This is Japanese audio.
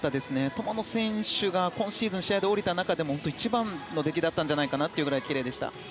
友野選手が、今シーズン試合で降りた中でも一番の出来だったんじゃと思うくらい、きれいでした。